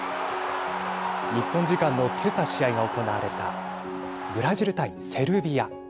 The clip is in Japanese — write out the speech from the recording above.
日本時間のけさ試合が行われたブラジル対セルビア。